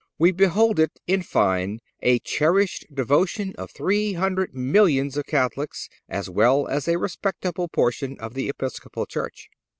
We behold it, in fine, a cherished devotion of three hundred millions of Catholics, as well as of a respectable portion of the Episcopal church.